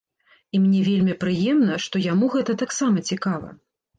І мне вельмі прыемна, што яму гэта таксама цікава!